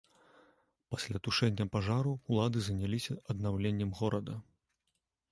Пасля тушэння пажару ўлады заняліся аднаўленнем горада.